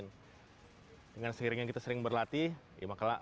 dengan seiringnya kita sering berlatih ya maka lah